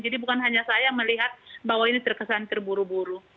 jadi bukan hanya saya melihat bahwa ini terkesan terburu buru